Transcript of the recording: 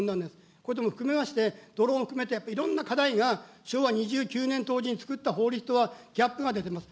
これも含めまして、ドローンを含めて、やっぱりいろんな課題が昭和２９年当時に作った法律とはギャップが出ています。